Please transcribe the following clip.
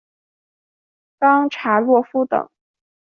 冈察洛夫等。